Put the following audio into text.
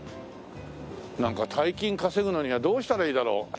なんか大金稼ぐのにはどうしたらいいだろう？